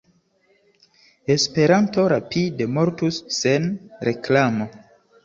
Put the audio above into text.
Esperanto rapide mortus sen reklamo!